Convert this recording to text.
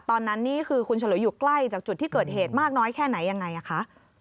ตอนนั้นนี่คือคุณฉลุยอยู่ใกล้จากจุดที่เกิดเหตุมากน้อยแค่ไหนยังไงคะ